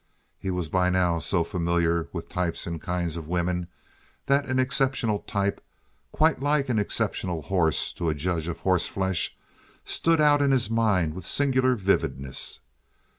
He was by now so familiar with types and kinds of women that an exceptional type—quite like an exceptional horse to a judge of horse flesh—stood out in his mind with singular vividness.